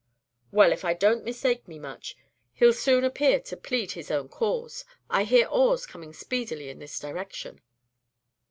"Well, if I don't mistake me much, he 'll soon appear to plead his own cause. I hear oars coming speedily in this direction."